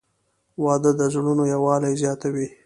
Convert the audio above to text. • واده د زړونو یووالی زیاتوي.